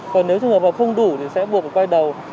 còn nếu trường hợp không đủ thì sẽ buộc quay đầu